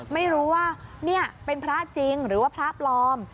ไม่รู้ว่านี่เป็นพระจริงหรือว่าพระปลอม